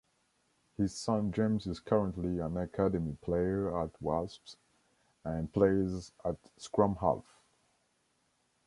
His son James is currently an academy player at Wasps and plays at scrum-half.